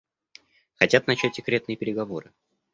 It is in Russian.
Хотят начать секретные переговоры.